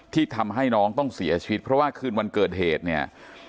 ที่ทำให้น้องต้องเสียชีวิตเพราะว่าคืนวันเกิดเหตุเนี่ย